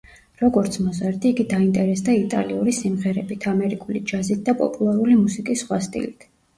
როგორც მოზარდი, იგი დაინტერესდა იტალიური სიმღერებით, ამერიკული ჯაზით და პოპულარული მუსიკის სხვა სტილით.